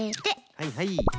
はいはい。